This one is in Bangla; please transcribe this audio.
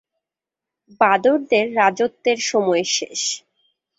বাঁদরদের রাজত্বের সময় শেষ।